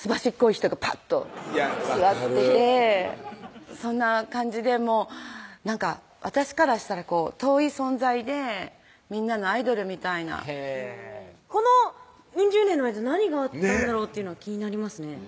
人がぱっと座っててそんな感じでもう私からしたら遠い存在でみんなのアイドルみたいなへぇこのウン十年の間何があったんだろうっていうのは気になりますね